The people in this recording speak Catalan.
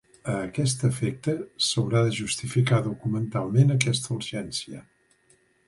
A aquest efecte s'haurà de justificar documentalment aquesta urgència.